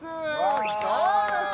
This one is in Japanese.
どうです？